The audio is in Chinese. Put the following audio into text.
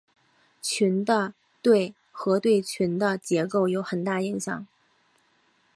群的对合对群的结构有很大影响。